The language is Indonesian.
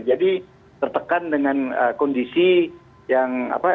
jadi tertekan dengan kondisi yang apa